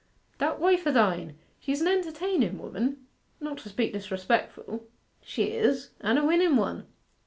'That wife o' thine. She's an entertainen woman, not to speak disrespectful.' 'She is: and a winnen one.